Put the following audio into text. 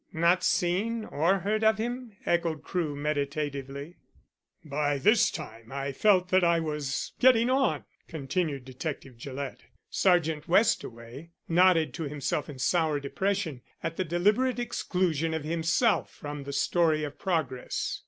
"Not seen or heard of him?" echoed Crewe meditatively. "By this time I felt that I was getting on," continued Detective Gillett. Sergeant Westaway nodded to himself in sour depression at the deliberate exclusion of himself from the story of progress.